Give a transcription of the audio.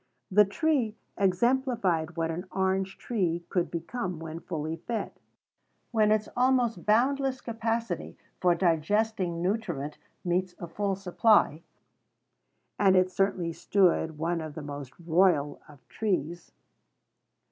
The tree exemplified what an orange tree could become when fully fed, when its almost boundless capacity for digesting nutriment meets a full supply; and it certainly stood one of the most royal of trees.